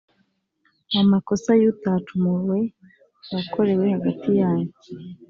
amakosa y’utacumuye yakorewe hagati yanyu,